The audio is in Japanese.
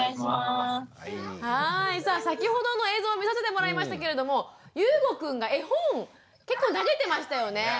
さあ先ほどの映像を見させてもらいましたけれどもゆうごくんが絵本結構投げてましたよね。